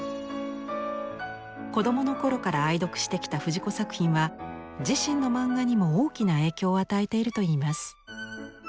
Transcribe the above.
子どもの頃から愛読してきた藤子作品は自身の漫画にも大きな影響を与えているといいます。